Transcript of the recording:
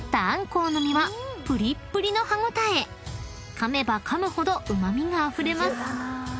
［かめばかむほどうま味があふれます］